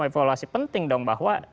jadi evaluasi penting dong bahwa